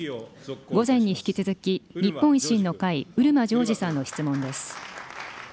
午前に引き続き、日本維新の会、漆間譲司さんの質問です。